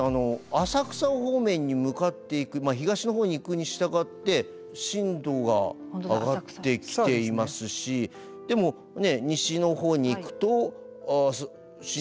浅草方面に向かっていく東のほうに行くに従って震度が上がってきていますしでも西のほうに行くと震度。